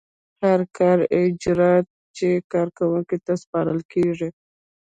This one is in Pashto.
هر کاري اجراات چې کارکوونکي ته سپارل کیږي.